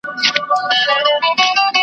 د چا لاره چي پر لور د جهالت سي .